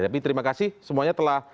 tapi terima kasih semuanya telah